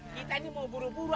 kita ini mau buru buru